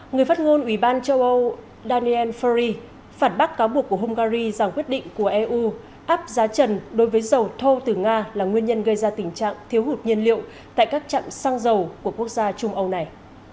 người phát ngôn ủy ban châu âu daniel fari phản bác cáo buộc của hungary rằng quyết định của eu áp giá trần đối với dầu thô từ nga là nguyên nhân gây ra tình trạng thiếu hụt nhiên liệu tại các trạm xăng dầu của quốc gia trung âu này